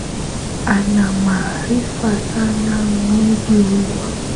Anamaarifa sana mzee yule